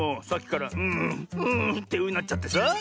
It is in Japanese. さっきから「うんうん」ってうなっちゃってさ。